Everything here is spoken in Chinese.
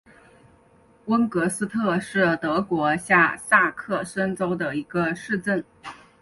温格斯特是德国下萨克森州的一个市镇。